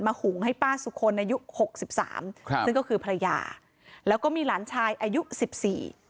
หุงให้ป้าสุคลอายุหกสิบสามครับซึ่งก็คือภรรยาแล้วก็มีหลานชายอายุสิบสี่